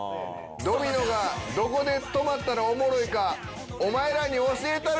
「ドミノがどこで止まったらおもろいかお前らに教えたるわ」。